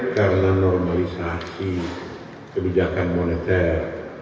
karena normalisasi kebijakan moneter